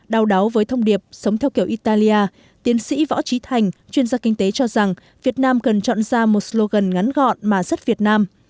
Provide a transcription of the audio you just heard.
đau đáu với thông điệp sống theo kiểu italia tiến sĩ võ trí thành chuyên gia kinh tế cho rằng việt nam cần chọn ra một slogan ngắn gọn mà rất việt nam